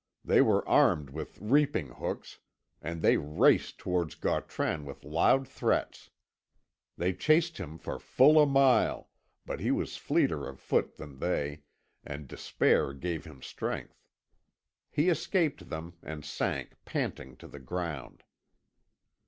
They were armed with reaping hooks, and they raced towards Gautran with loud threats. They chased him for full a mile, but he was fleeter of foot than they, and despair gave him strength. He escaped them, and sank, panting, to the ground.